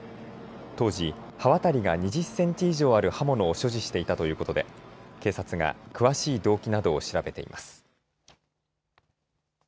当時、刃渡りが２０センチ以上ある刃物を所持していたということで警察が詳しい動機などを調べています。